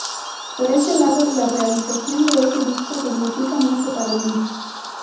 Por ese lado, la realización de ese disco significa mucho para mí.